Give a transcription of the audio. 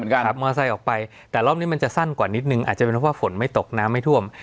ขอมอกกันค่ะมอเตอร์ไซค์ออกไปแต่รอบนี้มันจะสั้นกว่านิดนึงอาจจะเลยเขาว่าฝนไม่ตกน้ำไม่ถ้วม